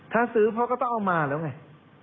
ถ้าซื้อพ่อก็ต้องเอามาแล้วไง